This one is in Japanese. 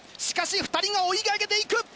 しかし２人が追い上げて行く！